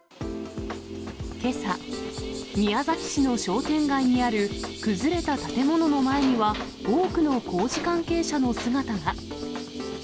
けさ、宮崎市の商店街にある崩れた建物の前には、多くの工事関係者の姿が。